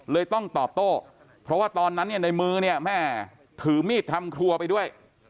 เลยต้องตอบโต้เพราะว่าตอนนั้นเนี่ยในมือเนี่ยแม่ถือมีดทำครัวไปด้วย